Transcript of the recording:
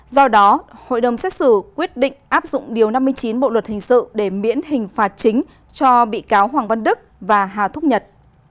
do đó hội đồng xét xử quyết định áp dụng điều năm mươi chín bộ luật hình sự để miễn hình phạt chính cho bị cáo hoàng văn đức và hà thúc nhật